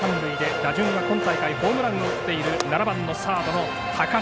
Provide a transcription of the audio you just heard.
打順は、今大会ホームランを打っている７番のサード高嶋。